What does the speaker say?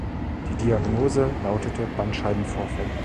Die Diagnose lautete Bandscheibenvorfall.